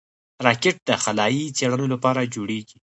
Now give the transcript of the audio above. راکټ د خلایي څېړنو لپاره جوړېږي